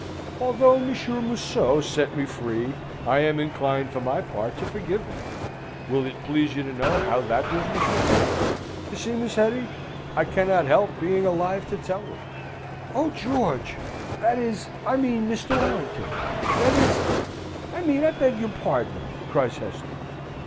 Although Monsieur Museau set me free, I am inclined, for my part, to forgive him. Will it please you to hear how that business was done? You see, Miss Hetty, I cannot help being alive to tell it." "Oh, George! that is, I mean, Mr. Warrington! that is, I mean, I beg your pardon!" cries Hester.